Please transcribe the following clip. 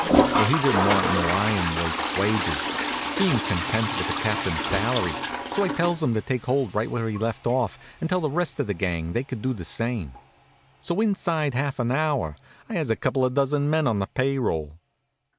Well, he didn't want no iron worker's wages, bein' content with a captain's salary, so I tells him to take hold right where he left off and tell the rest of the gang they could do the same. So inside of half an hour I has a couple of dozen men on the pay roll.